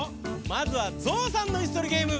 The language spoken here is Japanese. まずはゾウさんのいすとりゲーム。